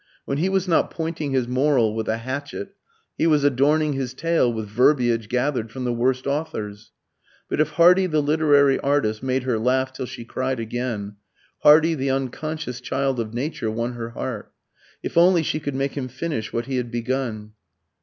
When he was not pointing his moral with a hatchet, he was adorning his tale with verbiage gathered from the worst authors. But if Hardy the literary artist made her laugh till she cried again, Hardy the unconscious child of Nature won her heart. If only she could make him finish what he had begun!